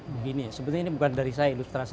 begini sebenarnya ini bukan dari saya ilustrasi